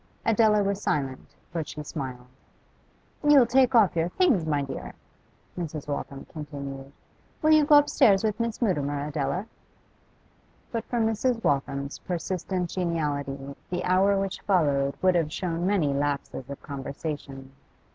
Adela was silent, but she smiled. 'You'll take your things off, my dear?' Mrs. Waltham continued. 'Will you go upstairs with Miss Mutimer, Adela?' But for Mrs. Waltham's persistent geniality the hour which followed would have shown many lapses of conversation.